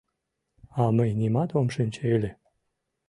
— А мый нимат ом шинче ыле.